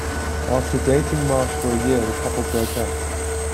After dating Marsh for a year, the couple broke up.